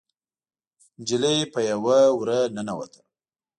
نجلۍ په يوه وره ننوته.